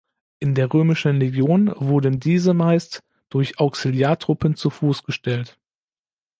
In der römischen Legion wurden diese meist durch Auxiliartruppen zu Fuß gestellt.